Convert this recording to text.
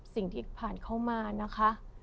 สิ่งที่ผ่านเข้ามานะคะ